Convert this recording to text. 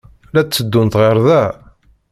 La d-tteddunt ɣer da?